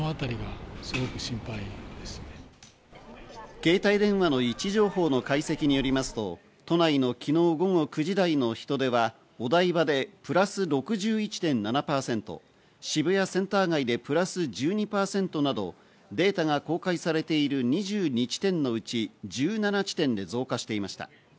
携帯電話の位置情報の解析によりますと、都内の昨日午後９時台の人出は、お台場でプラス６１．７％、渋谷センター街でプラス１２％などデータが公開されている２２地点のうち１７地点で増加していました。